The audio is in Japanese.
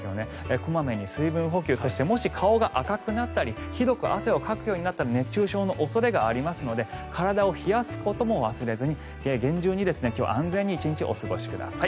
こまめに水分補給そして、もし顔が赤くなったりひどく汗をかくようになったら熱中症の恐れがありますので体を冷やすことも忘れずに、厳重に今日は安全に１日お過ごしください。